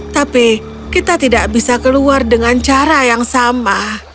tapi kita tidak bisa keluar dengan cara yang sama